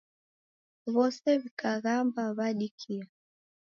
W'ose w'ikaghamba w'adikia.